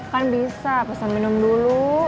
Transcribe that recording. kan bisa pesan minum dulu